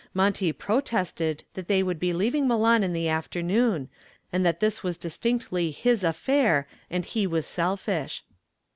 Monty protested that they would be leaving Milan in the afternoon, and that this was distinctly his affair and he was selfish.